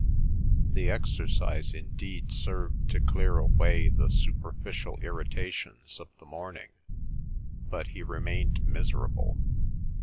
The exercise indeed served to clear away the superficial irritations of the morning, but he remained miserable.